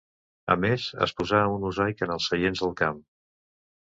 A més, es posà un mosaic en els seients del camp.